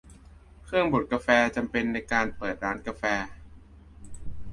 เครื่องบดกาแฟ จำเป็นในการเปิดร้านกาแฟ